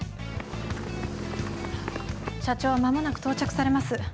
社長は間もなく到着されます。